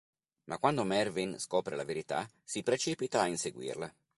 Ma quando Mervyn scopre la verità, si precipita a inseguirla.